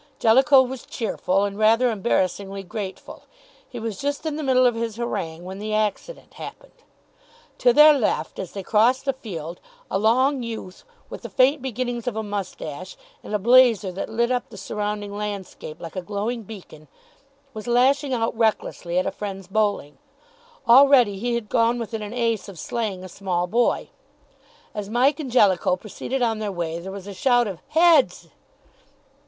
Jellicoe was cheerful, and rather embarrassingly grateful. He was just in the middle of his harangue when the accident happened. To their left, as they crossed the field, a long youth, with the faint beginnings of a moustache and a blazer that lit up the surrounding landscape like a glowing beacon, was lashing out recklessly at a friend's bowling. Already he had gone within an ace of slaying a small boy. As Mike and Jellicoe proceeded on their way, there was a shout of "Heads!"